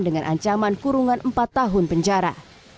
dengan ancaman kurungan empat tahun penjara